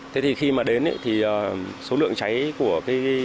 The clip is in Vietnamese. thế thì khi mà đến thì số lượng cháy của cái